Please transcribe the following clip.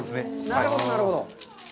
なるほど、なるほど。